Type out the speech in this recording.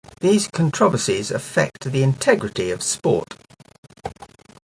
These controversies affect the integrity of sport.